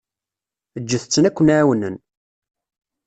Ǧǧet-ten aken-ɛawnen.